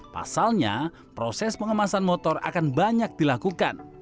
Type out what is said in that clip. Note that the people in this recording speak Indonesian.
pasalnya proses pengemasan motor akan banyak dilakukan